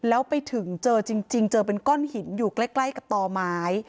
แล้วไปถึงเจอจริงเจอเป็นก้อนหินอยู่ใกล้กับต่อไม้